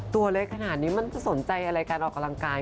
ตัวเล็กขนาดนี้มันจะสนใจอะไรการออกกำลังกาย